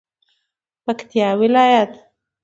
پکتیا ولایت